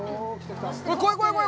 怖い怖い怖い！